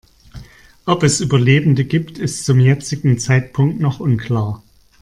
Ob es Überlebende gibt, ist zum jetzigen Zeitpunkt noch unklar.